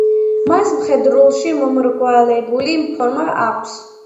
მას მხედრულში მომრგვალებული ფორმა აქვს.